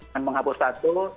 dan menghapus tatu